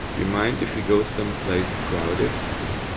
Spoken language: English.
Do you mind if we go someplace crowded?